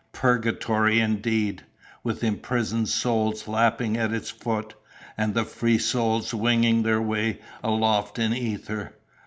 "Purgatory indeed! with imprisoned souls lapping at its foot, and the free souls winging their way aloft in ether.